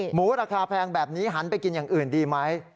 ราคาแพงแบบนี้หันไปกินอย่างอื่นดีไหม